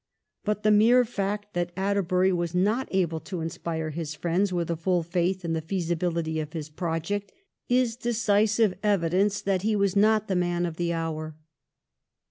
But the mere fact that Atterbury was not able to inspire his friends with a full faith in the feasibility of his project is decisive evidence that he was not the man of the hour.